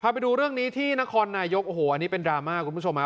ไปดูเรื่องนี้ที่นครนายกโอ้โหอันนี้เป็นดราม่าคุณผู้ชมฮะ